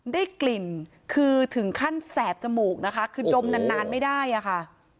ได้กลิ่นคือถึงขั้นแสบจมูกนะคะคือดมนานไม่ได้อะค่ะ